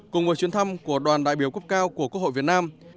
cùng với chuyến thăm của đoàn đại biểu cấp cao của quốc hội việt nam